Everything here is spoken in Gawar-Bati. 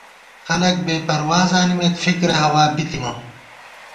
خلَک بېپروا زانِمېت، فِکِرے ہوا بِی تِمہ